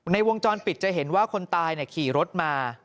ในวงจรปิดจะเห็นว่าคนตายขี่รถมา